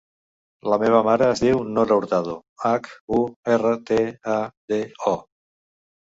La meva mare es diu Nora Hurtado: hac, u, erra, te, a, de, o.